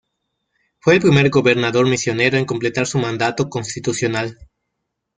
Fue el primer gobernador misionero en completar su mandato constitucional.